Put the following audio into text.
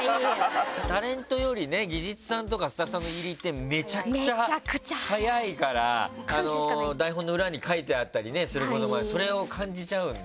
タレントより技術さんとかスタッフさんの入りってめちゃくちゃ早いから台本の裏に書いてあったりすることにもそれを感じちゃうんだ。